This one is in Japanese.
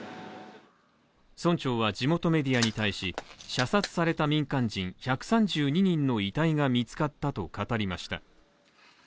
村長は地元メディアに対し射殺された民間人１３２人の遺体が見つかったと語りました。